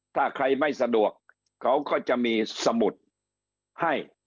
ถ้าใครไม่สะดวกเขาก็จะมีสมุดให้